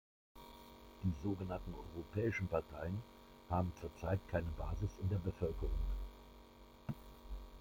Die sogenannten europäischen Parteien haben zur Zeit keine Basis in der Bevölkerung.